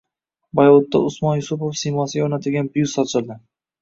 Boyovutda Usmon Yusupov siymosiga o‘rnatilgan byust ochildi